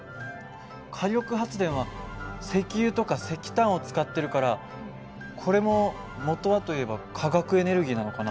火力発電は石油とか石炭を使ってるからこれももとはといえば化学エネルギーなのかな？